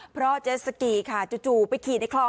เพราะเจสสกีค่ะจู่ไปขี่ในคลอง